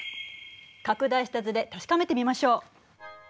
拡大した図で確かめてみましょう。